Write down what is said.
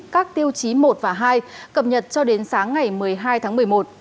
các tiêu chí một và hai cập nhật cho đến sáng ngày một mươi hai tháng một mươi một